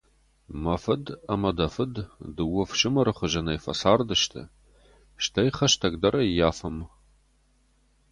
Мӕ фыд ӕмӕ дӕ фыд дыууӕ ӕфсымӕры хуызӕнӕй фӕцардысты, стӕй хӕстӕг дӕр ӕййафӕм.